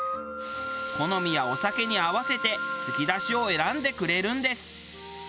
好みやお酒に合わせてつきだしを選んでくれるんです。